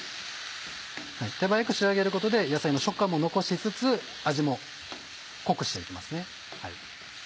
手早く仕上げることで野菜の食感も残しつつ味も濃くして行きますね。